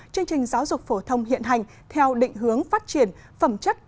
chương trình giáo dục phổ thông hiện hành theo định hướng phát triển phẩm chất